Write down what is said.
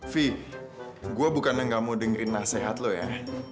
fi gue bukan yang gak mau dengerin nasihat lo ya